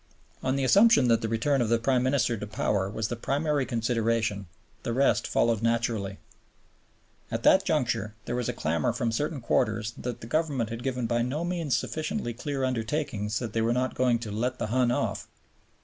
On the assumption that the return of the Prime Minister to power was the primary consideration, the rest followed naturally. At that juncture there was a clamor from certain quarters that the Government had given by no means sufficiently clear undertakings that they were not going "to let the Hun off."